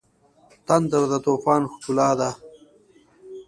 تندر د طوفان ښکلا ده.